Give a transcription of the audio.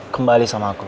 kembali sama aku